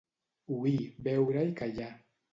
Oir, veure i callar.